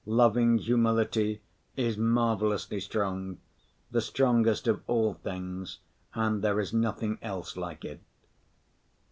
Loving humility is marvelously strong, the strongest of all things, and there is nothing else like it.